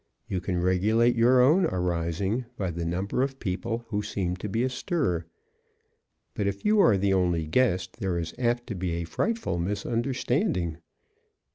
You can regulate your own arising by the number of people who seem to be astir. But if you are the only guest there is apt to be a frightful misunderstanding.